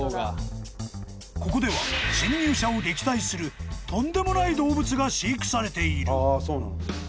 ［ここでは侵入者を撃退するとんでもない動物が飼育されている］